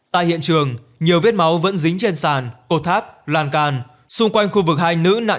tại hiện trường nhiều vết máu vẫn dính trên sàn cột tháp làn can xung quanh khu vực hai nữ nạn nhân